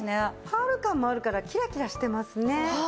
パール感もあるからキラキラしてますね。